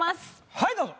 はいどうぞ。